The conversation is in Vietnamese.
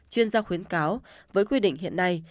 chuyên gia khuyến cáo với quy định hiện nay